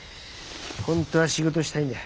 本当は仕事したいんだ。